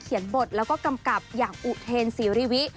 บทแล้วก็กำกับอย่างอุเทนศรีริวิ